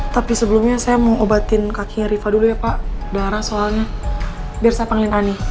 tapi sebelumnya saya mau obatin kakinya rifa dulu ya pak darah soalnya biar saya panggil ani